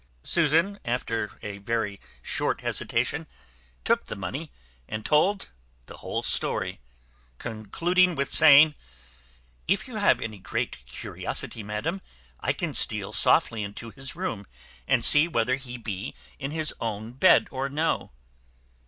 Susan, after a very short hesitation, took the money, and told the whole story, concluding with saying, "If you have any great curiosity, madam, I can steal softly into his room, and see whether he be in his own bed or no."